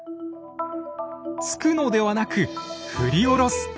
突くのではなく振り下ろす。